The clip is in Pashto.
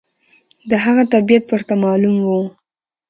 د هغه طبیعت ورته معلوم و.